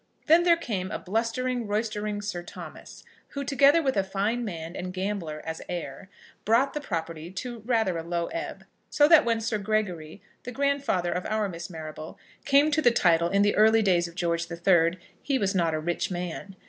Then there came a blustering, roystering Sir Thomas, who, together with a fine man and gambler as a heir, brought the property to rather a low ebb; so that when Sir Gregory, the grandfather of our Miss Marrable, came to the title in the early days of George III. he was not a rich man.